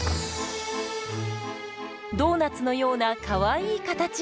ドーナツのようなかわいい形。